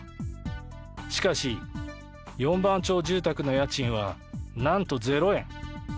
しかし、四番町住宅の家賃はなんと、０円。